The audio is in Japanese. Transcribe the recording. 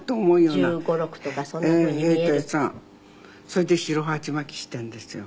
それで白鉢巻きしているんですよ